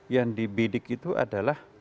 yang dibidik itu adalah